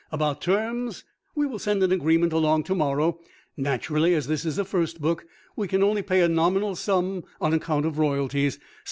About terms. We will send an agreement along to morrow. Naturally, as this is a first book, we can only pay a nominal sum on account of royalties.